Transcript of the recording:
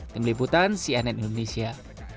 tim liputan cnn indonesia